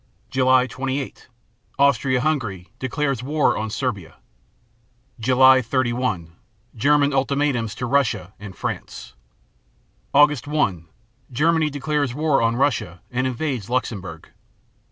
July 28 Austria Hungary declares war on Serbia. July 31 German ultimatums to Russia and France. Aug. 1 Germany declares war on Russia and invades Luxemburg.